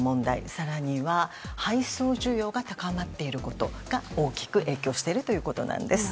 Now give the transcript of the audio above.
更には配送需要が高まっていることが大きく影響しているということです。